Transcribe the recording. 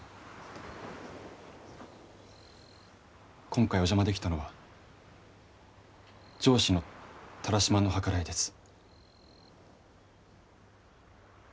今回お邪魔できたのは上司の田良島の計らいです。